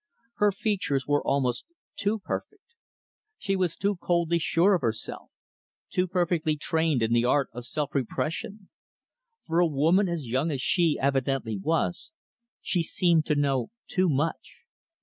Her features were almost too perfect. She was too coldly sure of herself too perfectly trained in the art of self repression. For a woman as young as she evidently was, she seemed to know too much.